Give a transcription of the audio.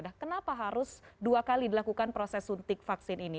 nah kenapa harus dua kali dilakukan proses suntik vaksin ini